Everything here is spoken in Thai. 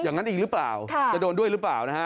อย่างนั้นอีกหรือเปล่าจะโดนด้วยหรือเปล่านะฮะ